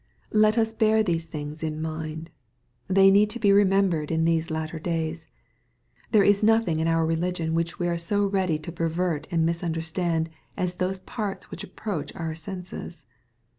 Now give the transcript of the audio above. Let us bear these things in mind. They need to be remembered in these latter days. There is nothing in our religion which we are so ready to pervert and mis understand as those parts which approach our senses.